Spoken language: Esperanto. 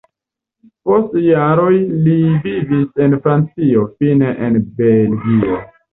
Post jaroj li vivis en Francio, fine en Belgio.